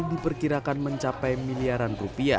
diperkirakan mencapai miliaran rupiah